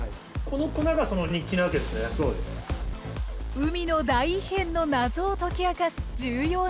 海の大異変の謎を解き明かす重要な工程。